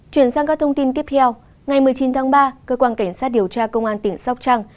chuyển sang các thông tin tiếp theo ngày một mươi chín tháng ba cơ quan cảnh sát điều tra công an tỉnh sóc trăng